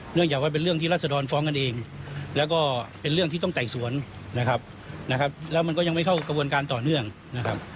จากว่าเป็นเรื่องที่รัศดรฟ้องกันเองแล้วก็เป็นเรื่องที่ต้องไต่สวนนะครับนะครับแล้วมันก็ยังไม่เข้ากระบวนการต่อเนื่องนะครับ